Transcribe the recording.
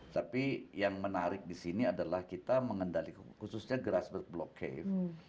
tapi yang menarik di sini adalah kita mengendalikan khususnya grassberg block cave